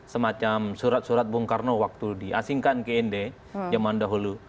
semacam surat surat bung karno waktu diasingkan ke nd zaman dahulu